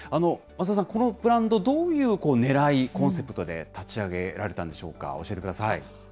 松田さん、このブランド、どういうねらい、コンセプトで立ち上げられたんでしょうか、教えてください。